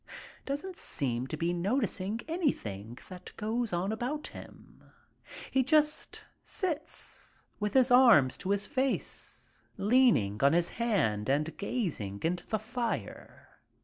Doesn't seem to be noticing anything that goes on about him. He just sits with his arm to his face, leaning on his hand and gazing into the fire.